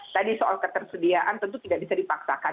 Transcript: tadi soal ketersediaan tentu tidak bisa dipaksakan